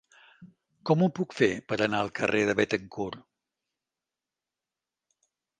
Com ho puc fer per anar al carrer de Béthencourt?